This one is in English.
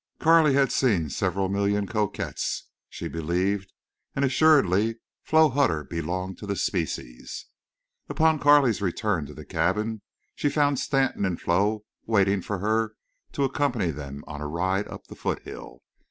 Carley had seen several million coquettes, she believed; and assuredly Flo Hutter belonged to the species. Upon Carley's return to the cabin she found Stanton and Flo waiting for her to accompany them on a ride up the foothill.